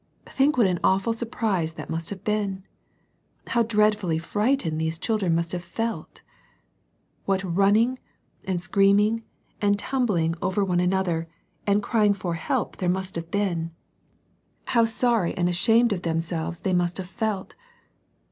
— ^Think what an awful surprise that must have been! How dreadfully fright ened these children must have felt ! What running, and. screaming, and tumbling over one THE TWO BEARS. 9 another, and crying for help, there must have been ! How sorry and ashamed of themselves they must have felt